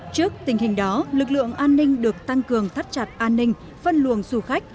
trước tình hình đó lực lượng an ninh được tăng cường thắt chặt an ninh phân luồng du khách